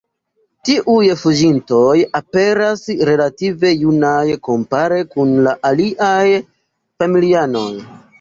Tiuj "fuĝintoj" aperas relative junaj kompare kun la aliaj familianoj.